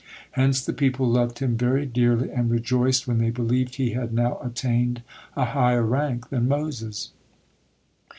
Hence the people loved him very dearly, and rejoiced when they believed he had now attained a higher rank than Moses.